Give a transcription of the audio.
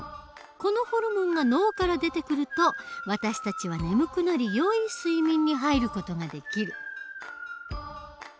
このホルモンが脳から出てくると私たちは眠くなりよい睡眠に入る事ができる。